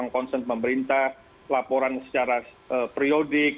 konsen pemerintah laporan secara periodik